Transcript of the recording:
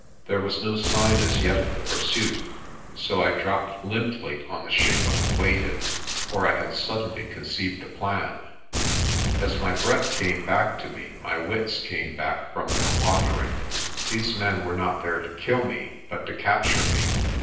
There was no sign as yet of the pursuit, so I dropped limply on the shingle and waited. For I had suddenly conceived a plan. As my breath came back to me my wits came back from their wandering. These men were not there to kill me but to capture me.